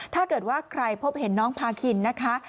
ถ้าเกิดว่าใครพบเห็นน้องพาคินนะคะ